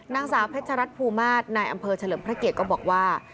นางสาวเพชรัตนภูมาศนายอำเภอเฉลิมพระเกียรติก็บอกว่า